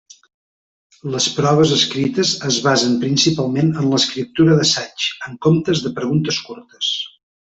Les proves escrites es basen principalment en l'escriptura d'assaigs, en comptes de preguntes curtes.